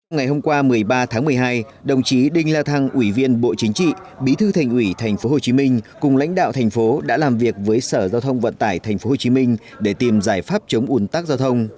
ngày hôm qua một mươi ba tháng một mươi hai đồng chí đinh la thăng ủy viên bộ chính trị bí thư thành ủy tp hcm cùng lãnh đạo thành phố đã làm việc với sở giao thông vận tải tp hcm để tìm giải pháp chống ủn tắc giao thông